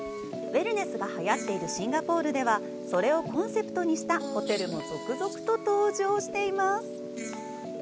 ウェルネスがはやっているシンガポールでは、それをコンセプトにしたホテルも続々と登場。